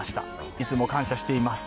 いつも感謝しています。